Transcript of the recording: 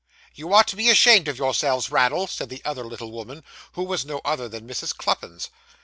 'You ought to be ashamed of yourself, Raddle,' said the other little woman, who was no other than Mrs. Cluppins.